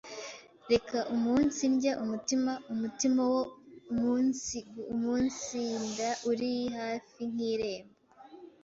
reka umunsindya umutima, umutima wo umunsiguumunsinda uri hafi nk’irembo,